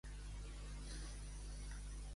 Quina pregunta ha fet a l'administració espanyola?